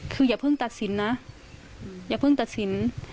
คืออย่าเพิ่งตัดสินนะอย่าเพิ่งตัดสิน